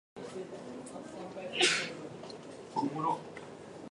To ɓe timmini e fuu, o jogo o warto ɓe daneejo.